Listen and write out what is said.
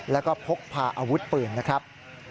แล้วก็พกพาอาวุธปืนนะครับ